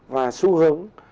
và xu hướng